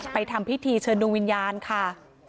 ทำพิธีเชิญดวงวิญญาณค่ะ